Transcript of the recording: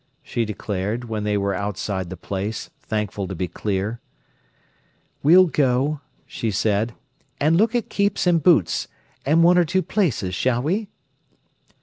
she declared, when they were outside the place, thankful to be clear. "We'll go," she said, "and look at Keep's and Boot's, and one or two places, shall we?"